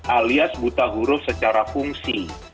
alias buta huruf secara fungsi